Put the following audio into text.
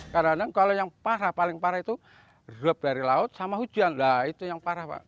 kadang kadang kalau yang parah paling parah itu drop dari laut sama hujan lah itu yang parah pak